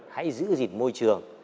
hãy giữ gìn môi trường